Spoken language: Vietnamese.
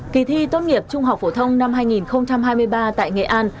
kỳ thi tốt nghiệp trung học phổ thông năm hai nghìn hai mươi ba tại nghệ an